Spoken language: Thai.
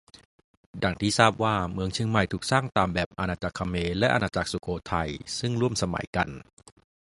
ดั่งที่ทราบว่าเมืองเชียงใหม่ถูกสร้างตามแบบอาณาจักรเขมร และ อาณาจักรสุโขทัยซึ่งร่วมสมัยกัน